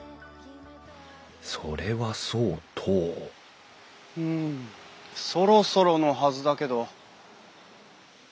それはそうとうんそろそろのはずだけど。